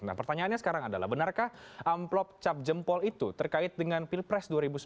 nah pertanyaannya sekarang adalah benarkah amplop cap jempol itu terkait dengan pilpres dua ribu sembilan belas